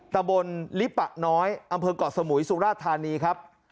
ตำบลลิปะน้อยอำเภอกาวสมุยสุราษฎร์ธานีครับ